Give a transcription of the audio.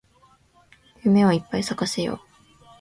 夢をいっぱい咲かせよう